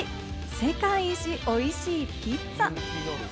世界一おいしいピッツァ。